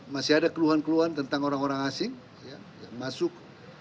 masih ada keluhan keluhan tentang orang orang asing yang masuk